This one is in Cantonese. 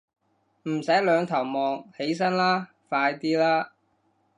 唔使兩頭望，起身啦，快啲啦